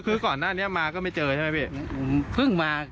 คือก่อนหน้านี้มาก็ไม่เจอใช่ไหมพี่เพิ่งมา